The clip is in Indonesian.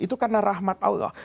itu karena rahmat allah